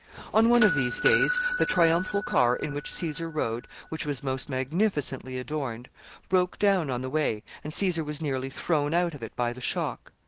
On one of these days, the triumphal car in which Caesar rode, which was most magnificently adorned, broke down on the way, and Caesar was nearly thrown out of it by the shock.